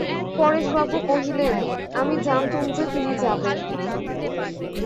পরেশবাবু কহিলেন, আমি জানতুম যে তিনি যাবেন।